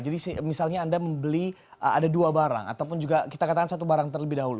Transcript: jadi misalnya anda membeli ada dua barang ataupun juga kita katakan satu barang terlebih dahulu